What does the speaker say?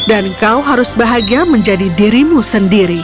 kau harus bahagia menjadi dirimu sendiri